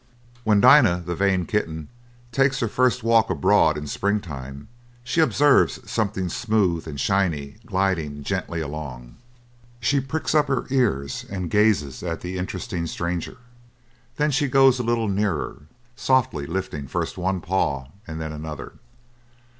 When Dinah, the vain kitten, takes her first walk abroad in spring time, she observes something smooth and shiny gliding gently along. She pricks up her ears, and gazes at the interesting stranger; then she goes a little nearer, softly lifting first one paw and then another.